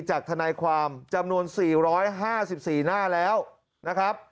จากธนความจำนวนสี่ร้อยห้าสิบสี่หน้าแล้วนะครับ